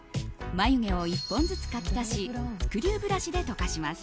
眉毛を１本ずつ描き足しスクリューブラシでとかします。